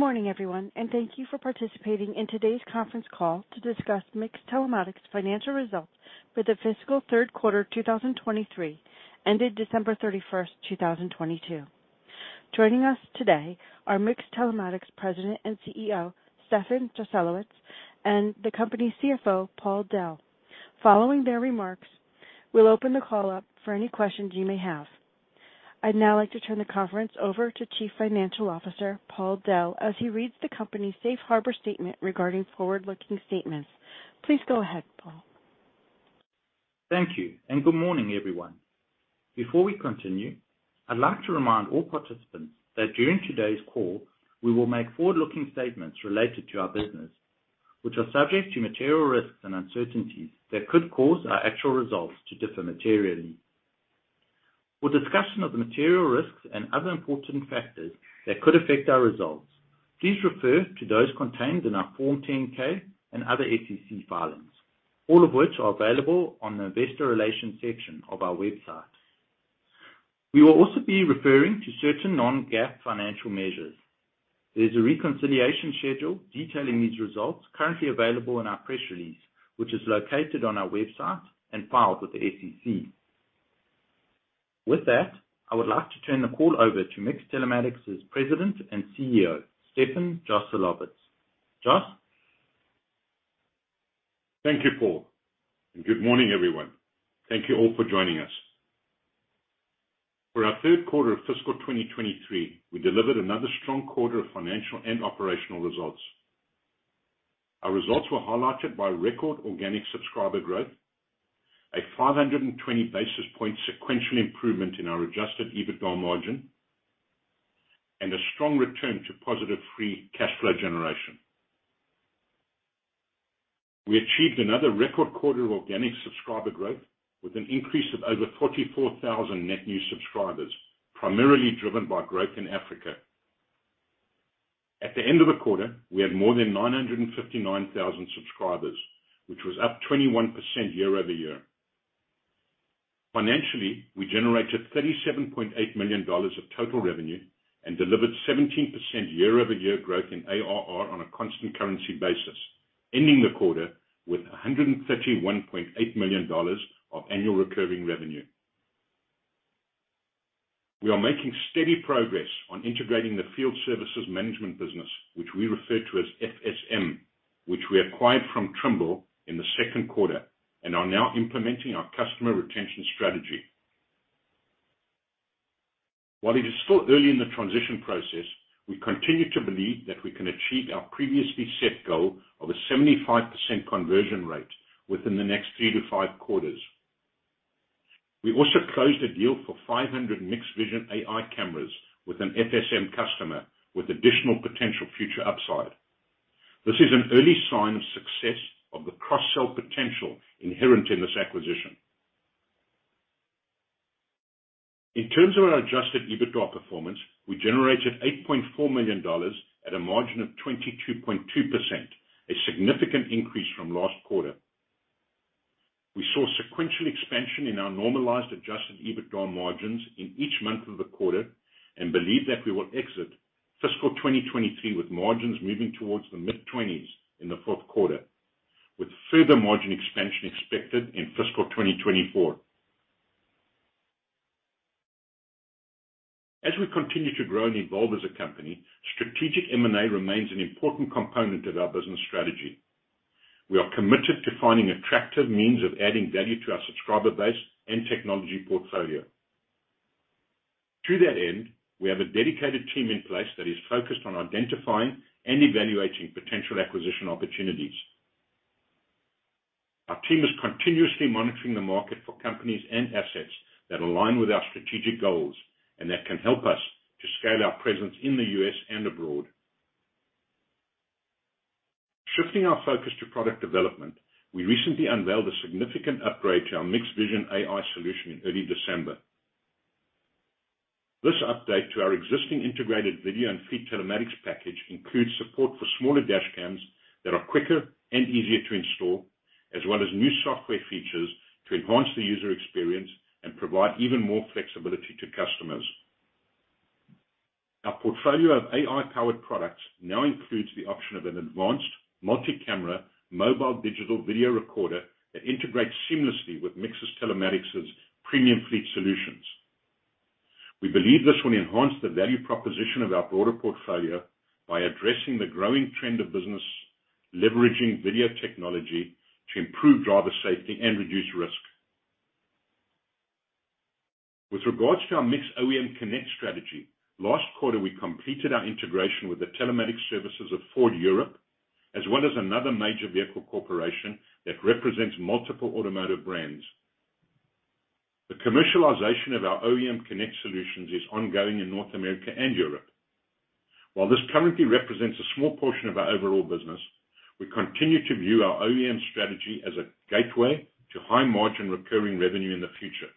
Good morning, everyone, thank you for participating in today's conference call to discuss MiX Telematics' financial results for the fiscal 3rd quarter 2023 ended December 31, 2022. Joining us today are MiX Telematics President and CEO, Stefan Joselowitz, and the company's CFO, Paul Dell. Following their remarks, we'll open the call up for any questions you may have. I'd now like to turn the conference over to Chief Financial Officer Paul Dell as he reads the company's safe harbor statement regarding forward-looking statements. Please go ahead, Paul. Thank you, and good morning, everyone. Before we continue, I'd like to remind all participants that during today's call, we will make forward-looking statements related to our business, which are subject to material risks and uncertainties that could cause our actual results to differ materially. For discussion of the material risks and other important factors that could affect our results, please refer to those contained in our Form 10-K and other SEC filings, all of which are available on the investor relations section of our website. We will also be referring to certain non-GAAP financial measures. There's a reconciliation schedule detailing these results currently available in our press release, which is located on our website and filed with the SEC. With that, I would like to turn the call over to MiX Telematics' President and CEO, Stefan Joselowitz. Jos Thank you, Paul. Good morning, everyone. Thank you all for joining us. For our third quarter of fiscal 2023, we delivered another strong quarter of financial and operational results. Our results were highlighted by record organic subscriber growth, a 520 basis point sequential improvement in our Adjusted EBITDA margin, and a strong return to positive free cash flow generation. We achieved another record quarter of organic subscriber growth with an increase of over 44,000 net new subscribers, primarily driven by growth in Africa. At the end of the quarter, we had more than 959,000 subscribers, which was up 21% year-over-year. Financially, we generated $37.8 million of total revenue and delivered 17% year-over-year growth in ARR on a constant currency basis, ending the quarter with $131.8 million of annual recurring revenue. We are making steady progress on integrating the Field Services Management business, which we refer to as FSM, which we acquired from Trimble in the second quarter and are now implementing our customer retention strategy. While it is still early in the transition process, we continue to believe that we can achieve our previously set goal of a 75% conversion rate within the next three-five quarters. We also closed a deal for 500 MiX Vision AI cameras with an FSM customer with additional potential future upside. This is an early sign of success of the cross-sell potential inherent in this acquisition. In terms of our Adjusted EBITDA performance, we generated $8.4 million at a margin of 22.2%, a significant increase from last quarter. We saw sequential expansion in our normalized Adjusted EBITDA margins in each month of the quarter and believe that we will exit fiscal 2023 with margins moving towards the mid-20s in the fourth quarter, with further margin expansion expected in fiscal 2024. As we continue to grow and evolve as a company, strategic M and A remains an important component of our business strategy. We are committed to finding attractive means of adding value to our subscriber base and technology portfolio. To that end, we have a dedicated team in place that is focused on identifying and evaluating potential acquisition opportunities. Our team is continuously monitoring the market for companies and assets that align with our strategic goals and that can help us to scale our presence in the U.S. and abroad. Shifting our focus to product development, we recently unveiled a significant upgrade to our MiX Vision AI solution in early December. This update to our existing integrated video and fleet telematics package includes support for smaller dash cams that are quicker and easier to install, as well as new software features to enhance the user experience and provide even more flexibility to customers. Our portfolio of AI-powered products now includes the option of an advanced multi-camera mobile digital video recorder that integrates seamlessly with MiX Telematics' premium fleet solutions. We believe this will enhance the value proposition of our broader portfolio by addressing the growing trend of business, leveraging video technology to improve driver safety and reduce risk. With regards to our MiX OEM Connect strategy, last quarter, we completed our integration with the telematics services of Ford of Europe, as well as another major vehicle corporation that represents multiple automotive brands. The commercialization of our OEM Connect solutions is ongoing in North America and Europe. While this currently represents a small portion of our overall business, we continue to view our OEM strategy as a gateway to high-margin recurring revenue in the future.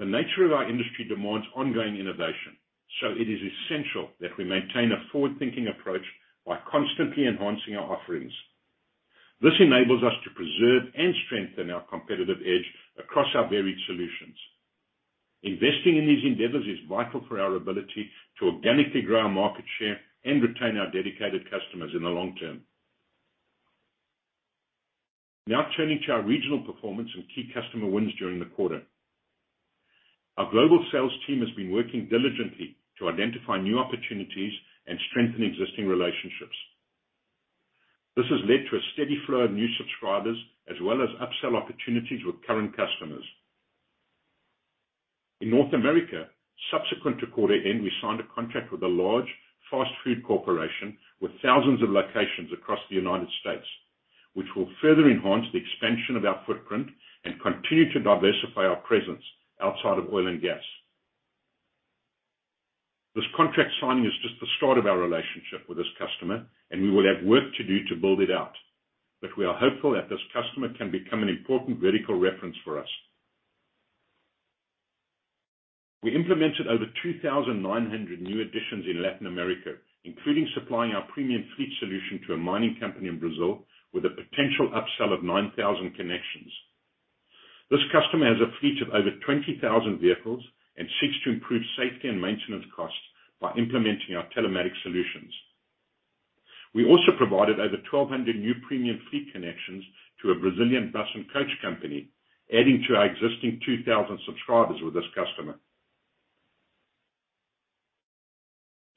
The nature of our industry demands ongoing innovation, so it is essential that we maintain a forward-thinking approach by constantly enhancing our offerings. This enables us to preserve and strengthen our competitive edge across our varied solutions. Investing in these endeavors is vital for our ability to organically grow our market share and retain our dedicated customers in the long term. Now turning to our regional performance and key customer wins during the quarter. Our global sales team has been working diligently to identify new opportunities and strengthen existing relationships. This has led to a steady flow of new subscribers as well as upsell opportunities with current customers. In North America, subsequent to quarter end, we signed a contract with a large fast food corporation with thousands of locations across the United States, which will further enhance the expansion of our footprint and continue to diversify our presence outside of oil and gas. This contract signing is just the start of our relationship with this customer, and we will have work to do to build it out, but we are hopeful that this customer can become an important vertical reference for us. We implemented over 2,900 new additions in Latin America, including supplying our premium fleet solution to a mining company in Brazil with a potential upsell of 9,000 connections. This customer has a fleet of over 20,000 vehicles and seeks to improve safety and maintenance costs by implementing our telematic solutions. We also provided over 1,200 new premium fleet connections to a Brazilian bus and coach company, adding to our existing 2,000 subscribers with this customer.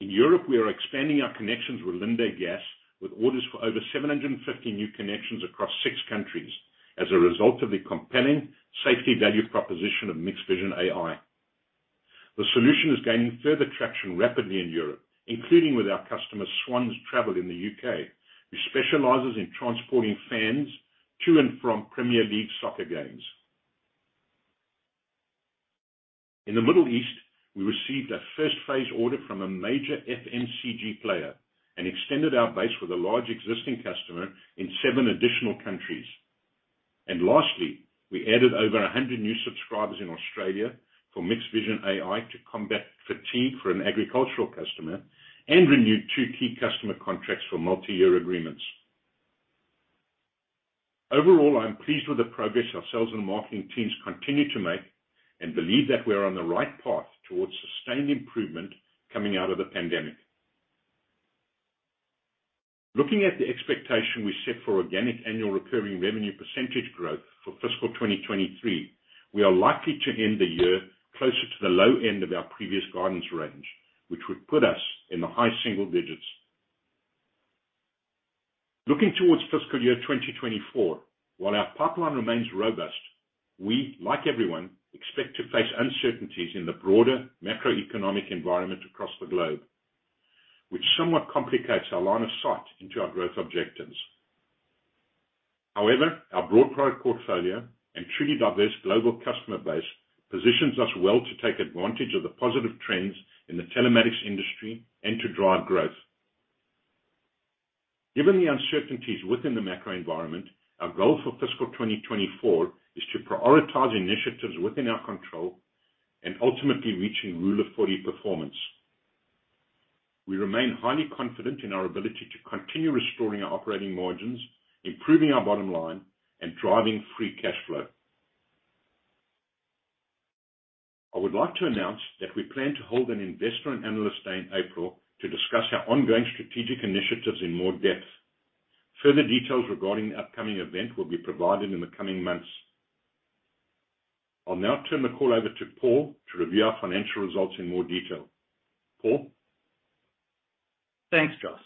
In Europe, we are expanding our connections with Linde Gas, with orders for over 750 new connections across six countries as a result of the compelling safety value proposition of MiX Vision AI. The solution is gaining further traction rapidly in Europe, including with our customer, Swans Travel in the U.K., which specializes in transporting fans to and from Premier League soccer games. In the Middle East, we received a first phase order from a major FMCG player and extended our base with a large existing customer in seven additional countries. Lastly, we added over 100 new subscribers in Australia for MiX Vision AI to combat fatigue for an agricultural customer and renewed two key customer contracts for multi-year agreements. Overall, I'm pleased with the progress our sales and marketing teams continue to make and believe that we are on the right path towards sustained improvement coming out of the pandemic. Looking at the expectation we set for organic annual recurring revenue percentage growth for fiscal 2023, we are likely to end the year closer to the low end of our previous guidance range, which would put us in the high single digits. Looking towards fiscal year 2024, while our pipeline remains robust, we, like everyone, expect to face uncertainties in the broader macroeconomic environment across the globe, which somewhat complicates our line of sight into our growth objectives. However, our broad product portfolio and truly diverse global customer base positions us well to take advantage of the positive trends in the telematics industry and to drive growth. Given the uncertainties within the macro environment, our goal for fiscal 2024 is to prioritize initiatives within our control and ultimately reaching Rule of 40 performance. We remain highly confident in our ability to continue restoring our operating margins, improving our bottom line, and driving free cash flow. I would like to announce that we plan to hold an investor and analyst day in April to discuss our ongoing strategic initiatives in more depth. Further details regarding the upcoming event will be provided in the coming months. I'll now turn the call over to Paul to review our financial results in more detail. Paul. Thanks, Jos.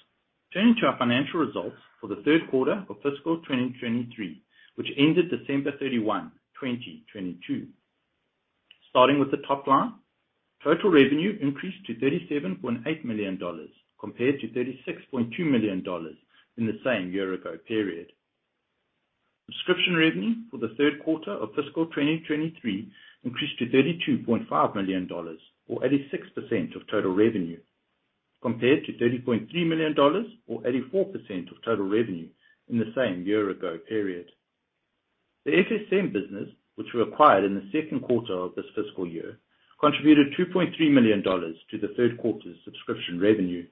Turning to our financial results for the third quarter of fiscal 2023, which ended December 31, 2022. Starting with the top line, total revenue increased to $37.8 million compared-$36.2 million in the same year-ago period. Subscription revenue for the third quarter of fiscal 2023 increased to $32.5 million or 86% of total revenue, compared to $30.3 million or 84% of total revenue in the same year-ago period. The FSM business, which we acquired in the second quarter of this fiscal year, contributed $2.3 million to the third quarter's subscription revenue.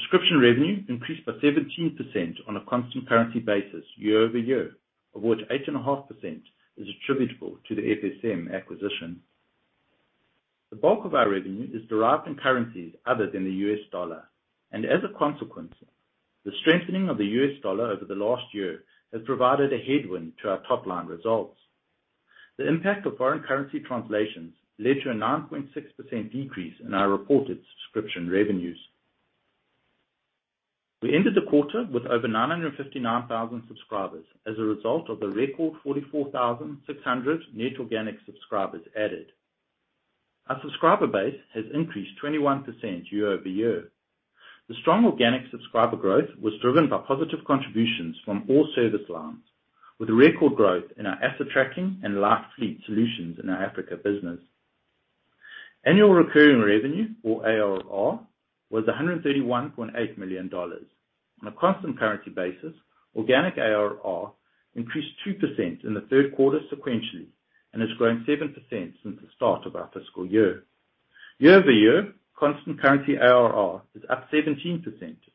Subscription revenue increased by 17% on a constant currency basis year-over-year, of which 8.5% is attributable to the FSM acquisition. The bulk of our revenue is derived in currencies other than the US dollar. As a consequence, the strengthening of the U.S. dollar over the last year has provided a headwind to our top line results. The impact of foreign currency translations led to a 9.6% decrease in our reported subscription revenues. We ended the quarter with over 959,000 subscribers as a result of the record 44,600 net organic subscribers added. Our subscriber base has increased 21% year-over-year. The strong organic subscriber growth was driven by positive contributions from all service lines, with record growth in our asset tracking and large fleet solutions in our Africa business. Annual recurring revenue or ARR was $131.8 million. On a constant currency basis, organic ARR increased 2% in the third quarter sequentially and has grown 7% since the start of our fiscal year. Year-over-year constant currency ARR is up 17%,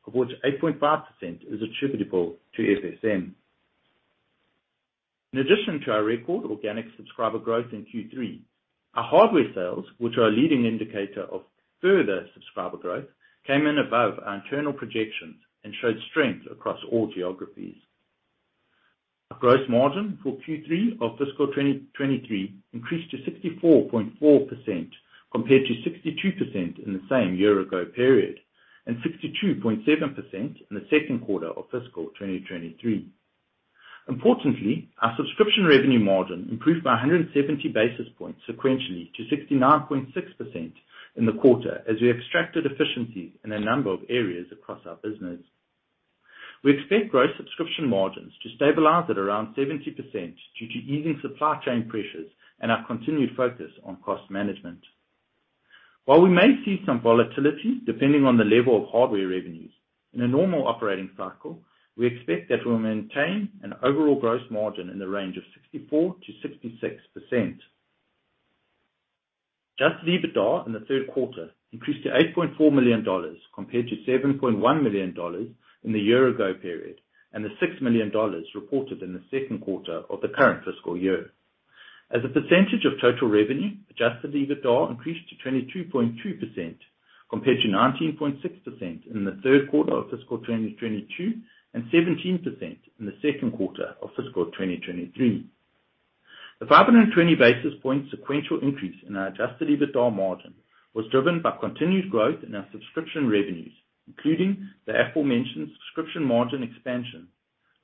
of which 8.5% is attributable to FSM. In addition to our record organic subscriber growth in Q3, our hardware sales, which are a leading indicator of further subscriber growth, came in above our internal projections and showed strength across all geographies. Our gross margin for Q3 of fiscal 2023 increased to 64.4% compared to 62% in the same year-ago period, and 62.7% in the second quarter of fiscal 2023. Importantly, our subscription revenue margin improved by 170 basis points sequentially to 69.6% in the quarter as we extracted efficiencies in a number of areas across our business. We expect gross subscription margins to stabilize at around 70% due to easing supply chain pressures and our continued focus on cost management. While we may see some volatility depending on the level of hardware revenues, in a normal operating cycle, we expect that we'll maintain an overall gross margin in the range of 64%-66%. Adjusted EBITDA in the third quarter increased to $8.4 million compared-$7.1 million in the year-ago period, and the $6 million reported in the second quarter of the current fiscal year. As a percentage of total revenue, Adjusted EBITDA increased to 22.2% compared to 19.6% in the third quarter of fiscal 2022 and 17% in the second quarter of fiscal 2023. The 520 basis point sequential increase in our Adjusted EBITDA margin was driven by continued growth in our subscription revenues, including the aforementioned subscription margin expansion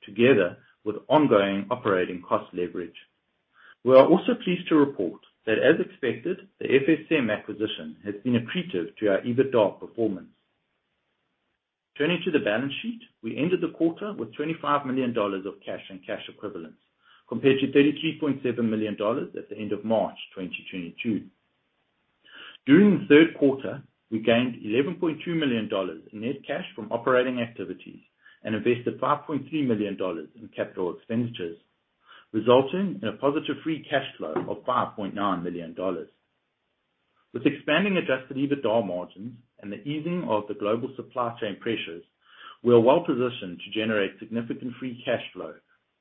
together with ongoing operating cost leverage. We are also pleased to report that, as expected, the FSM acquisition has been accretive to our EBITDA performance. Turning to the balance sheet, we ended the quarter with $25 million of cash and cash equivalents, compared to $33.7 million at the end of March 2022. During the third quarter, we gained $11.2 million in net cash from operating activities and invested $5.3 million in capital expenditures, resulting in a positive free cash flow of $5.9 million. With expanding Adjusted EBITDA margins and the easing of the global supply chain pressures, we are well positioned to generate significant free cash flow,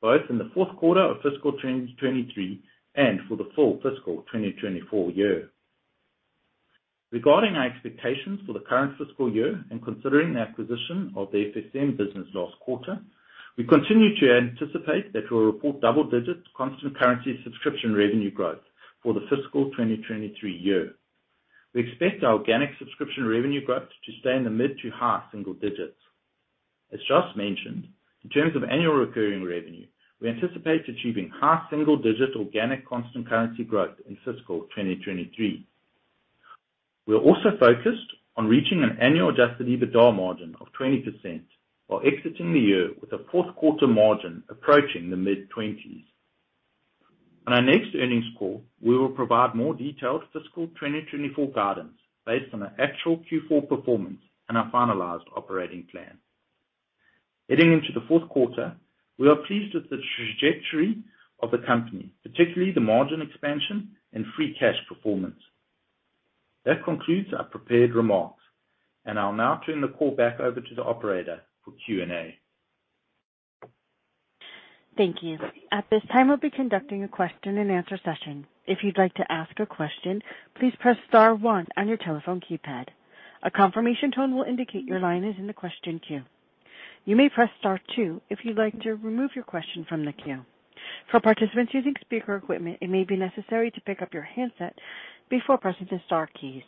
both in the fourth quarter of fiscal 2023 and for the full fiscal 2024 year. Regarding our expectations for the current fiscal year and considering the acquisition of the FSM business last quarter, we continue to anticipate that we'll report double-digit constant currency subscription revenue growth for the fiscal 2023 year. We expect our organic subscription revenue growth to stay in the mid- to high single-digits. As Jos mentioned, in terms of annual recurring revenue, we anticipate achieving high single-digit organic constant currency growth in fiscal 2023. We are also focused on reaching an annual Adjusted EBITDA margin of 20% while exiting the year with a fourth quarter margin approaching the mid-20s. On our next earnings call, we will provide more detailed fiscal 2024 guidance based on our actual Q4 performance and our finalized operating plan. Heading into the fourth quarter, we are pleased with the trajectory of the company, particularly the margin expansion and free cash performance. That concludes our prepared remarks, and I'll now turn the call back over to the operator for Q&A. Thank you. At this time, we'll be conducting a question-and-answer session. If you'd like to ask a question, please press star one on your telephone keypad. A confirmation tone will indicate your line is in the question queue. You may press star two if you'd like to remove your question from the queue. For participants using speaker equipment, it may be necessary to pick up your handset before pressing the star keys.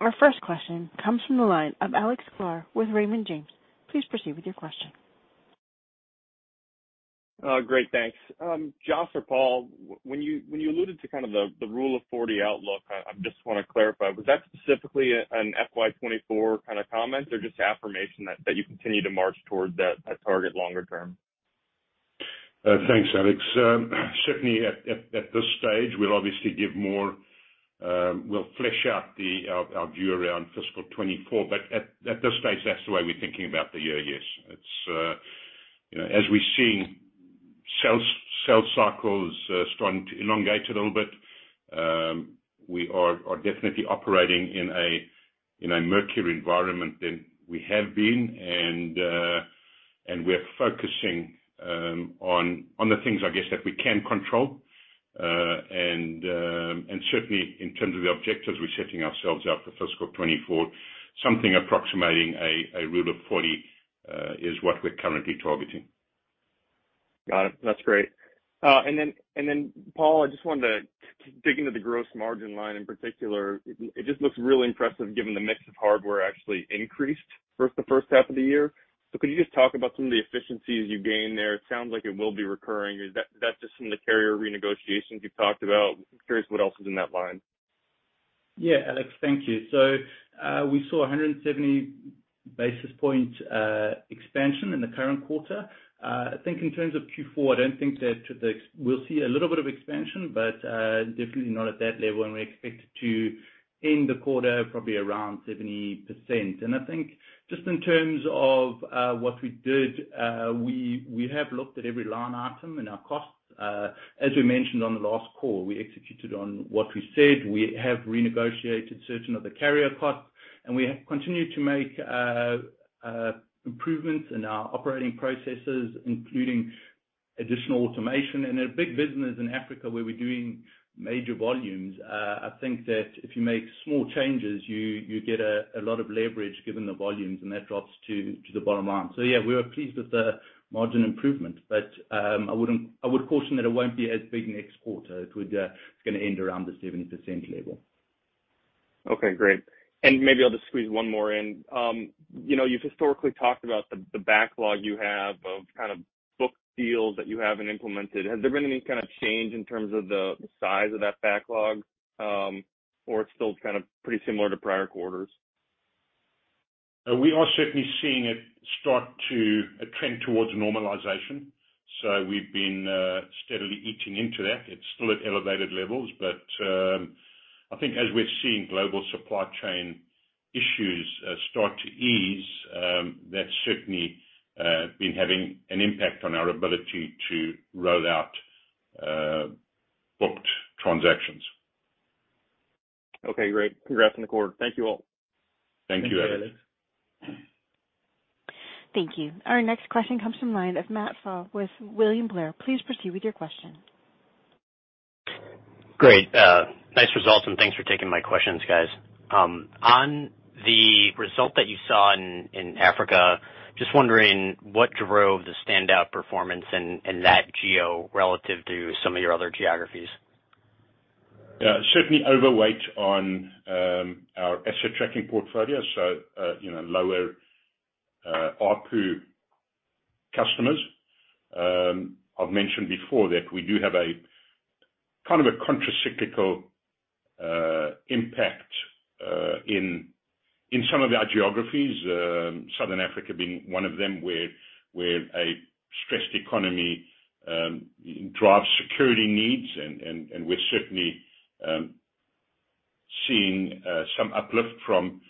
Our first question comes from the line of Alex Sklar with Raymond James. Please proceed with your question. Great. Thanks. Jos or Paul, when you alluded to kind of the Rule of 40 outlook, I just want to clarify. Was that specifically an FY 2024 kinda comment, or just affirmation that you continue to march towards that target longer term? Thanks, Alex. Certainly at this stage we'll obviously give more. We'll flesh out our view around fiscal 2024. At this stage, that's the way we're thinking about the year, yes. It's, you know, as we're seeing sales cycles starting to elongate a little bit, we are definitely operating in a murkier environment than we have been, and we're focusing on the things I guess that we can control. Certainly in terms of the objectives we're setting ourselves out for fiscal 2024, something approximating a Rule of 40 is what we're currently targeting. Got it. That's great. Paul, I just wanted to keep digging into the gross margin line in particular. It just looks really impressive given the mix of hardware actually increased for the first half of the year. Could you just talk about some of the efficiencies you gained there? It sounds like it will be recurring. Is that just from the carrier renegotiations you've talked about? I'm curious what else is in that line. Yeah. Alex, thank you. We saw 170 basis point expansion in the current quarter. I think in terms of Q4, I don't think that We'll see a little bit of expansion, but definitely not at that level, and we expect to end the quarter probably around 70%. I think just in terms of what we did, we have looked at every line item in our costs. As we mentioned on the last call, we executed on what we said. We have renegotiated certain of the carrier costs, and we have continued to make improvements in our operating processes, including Additional automation and our big business in Africa where we're doing major volumes. I think that if you make small changes, you get a lot of leverage given the volumes, and that drops to the bottom line. Yeah, we were pleased with the margin improvement. I would caution that it won't be as big next quarter. It would, it's going to end around the 70% level. Okay, great. Maybe I'll just squeeze one more in. You know, you've historically talked about the backlog you have of kind of book deals that you haven't implemented. Has there been any kind of change in terms of the size of that backlog, or it's still kind of pretty similar to prior quarters? We are certainly seeing it start to trend towards normalization. We've been steadily eating into that. It's still at elevated levels, but I think as we're seeing global supply chain issues start to ease, that's certainly been having an impact on our ability to roll out booked transactions. Okay, great. Congrats on the quarter. Thank you all. Thank you, Evan. Thank you. Our next question comes from the line of Matt Pfau with William Blair. Please proceed with your question. Great. nice results. Thanks for taking my questions, guys. On the result that you saw in Africa, just wondering what drove the standout performance in that geo relative to some of your other geographies. Yeah, certainly overweight on our asset tracking portfolio, so you know, lower ARPU customers. I've mentioned before that we do have a kind of a contra cyclical impact in some of our geographies, Southern Africa being one of them, where a stressed economy drives security needs. We're certainly seeing some uplift from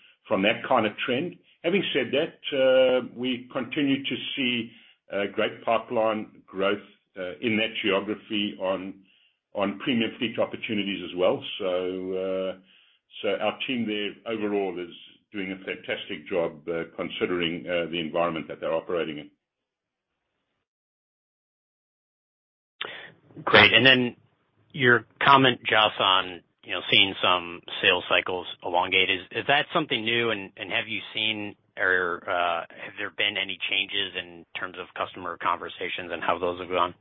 that kind of trend. Having said that, we continue to see great pipeline growth in that geography on premium fleet opportunities as well. Our team there overall is doing a fantastic job considering the environment that they're operating in. Great. Then your comment, Jos, on, you know, seeing some sales cycles elongate. Is that something new? Have you seen or have there been any changes in terms of customer conversations and how those have gone?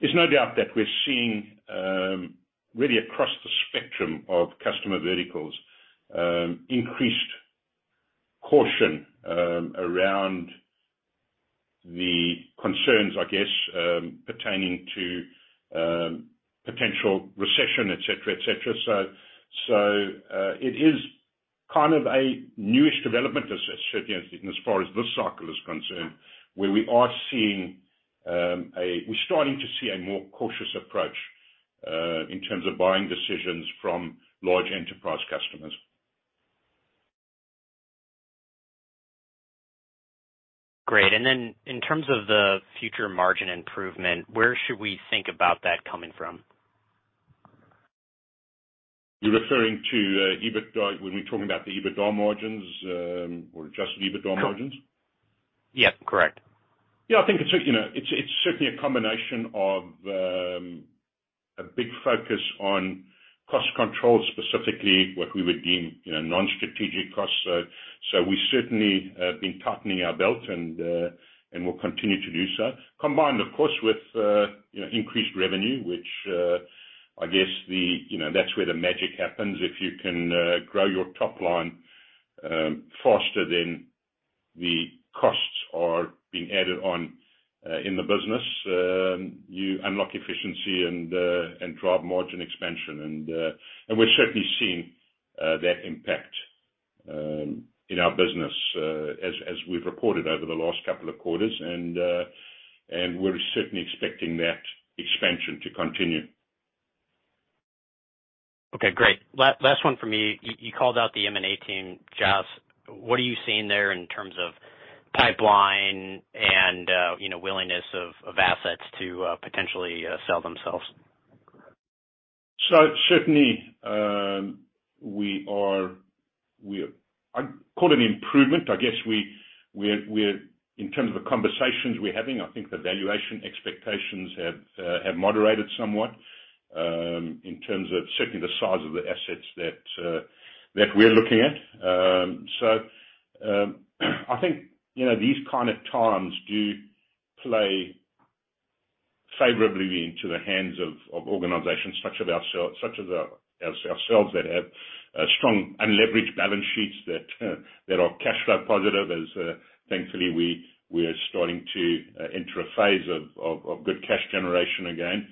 There's no doubt that we're seeing, really across the spectrum of customer verticals, increased caution, around the concerns, I guess, pertaining to potential recession, et cetera, et cetera. It is kind of a newish development as, certainly as far as this cycle is concerned, where we are seeing, We're starting to see a more cautious approach in terms of buying decisions from large enterprise customers. Great. Then in terms of the future margin improvement, where should we think about that coming from? You're referring to EBITDA? When we're talking about the EBITDA margins, or Adjusted EBITDA margins? Yeah, correct. Yeah, I think it's, you know, it's certainly a combination of a big focus on cost control, specifically what we would deem, you know, non-strategic costs. We certainly have been tightening our belt and we'll continue to do so. Combined, of course, with, you know, increased revenue, which, you know, that's where the magic happens. If you can grow your top line faster than the costs are being added on in the business, you unlock efficiency and drive margin expansion. We're certainly seeing that impact in our business as we've reported over the last couple of quarters, and we're certainly expecting that expansion to continue. Okay, great. Last one for me. You called out the M and A team, Jos. What are you seeing there in terms of pipeline and, you know, willingness of assets to potentially sell themselves? Certainly, we're I'd call it an improvement. I guess we're In terms of the conversations we're having, I think the valuation expectations have moderated somewhat, in terms of certainly the size of the assets that we're looking at. I think, you know, these kind of times do play favorably into the hands of organizations such as ourselves that have strong unleveraged balance sheets that are cash flow positive as thankfully we are starting to enter a phase of good cash generation again.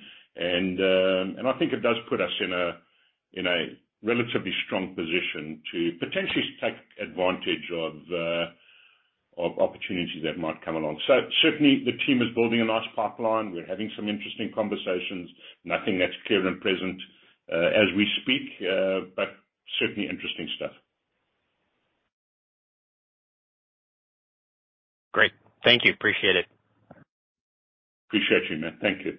I think it does put us in a relatively strong position to potentially take advantage of opportunities that might come along. Certainly the team is building a nice pipeline. We're having some interesting conversations. Nothing that's clear and present, as we speak, but certainly interesting stuff. Great. Thank you. Appreciate it. Appreciate you, Matt. Thank you.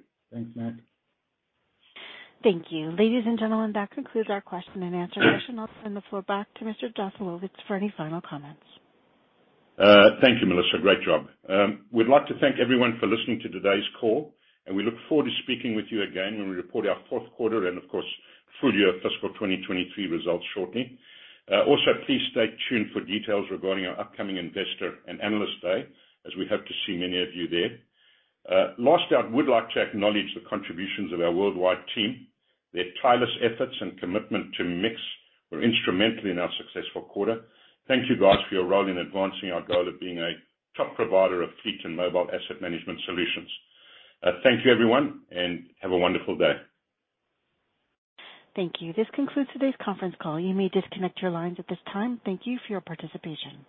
Thank you. Ladies and gentlemen, that concludes our question and answer session. I'll turn the floor back to Mr. Joselowitz for any final comments. Thank you, Melissa. Great job. We'd like to thank everyone for listening to today's call, and we look forward to speaking with you again when we report our fourth quarter and of course, full year fiscal 2023 results shortly. Please stay tuned for details regarding our upcoming investor and analyst day, as we hope to see many of you there. Last out, we would like to acknowledge the contributions of our worldwide team. Their tireless efforts and commitment to MiX were instrumental in our successful quarter. Thank you, guys, for your role in advancing our goal of being a top provider of fleet and mobile asset management solutions. Thank you, everyone, have a wonderful day. Thank you. This concludes today's conference call. You may disconnect your lines at this time. Thank you for your participation.